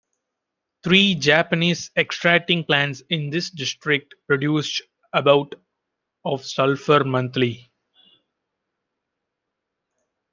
Three Japanese extracting plants in this district produced about of sulfur monthly.